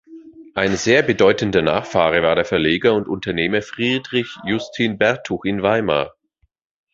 Ein sehr bedeutender Nachfahre war der Verleger und Unternehmer Friedrich Justin Bertuch in Weimar.